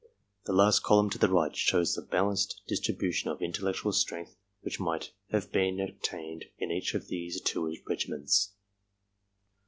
The last column to the right shows the balanced dis tribution of intellectual strength which might have been at tained in each of these two regiments.